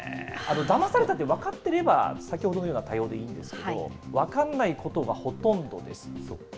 だまされたって分かってれば先ほどのような対応でいいんですけれども、分かんないことがほとんどです。